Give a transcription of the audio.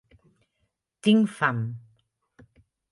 Tinc fam.